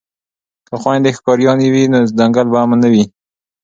که خویندې ښکاریانې وي نو ځنګل به امن نه وي.